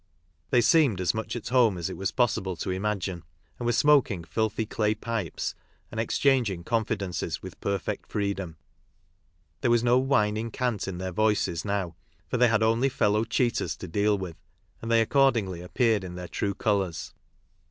They seemed as much at home as it was possible to imagine, and were smoking filthy clay pipes and exchanging confidences with perfect freedom. There was no whining cant in their voices now, for they had only fellow cheaters to deal with, and they accordingly appeared in their true colours.